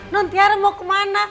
nantiara mau kemana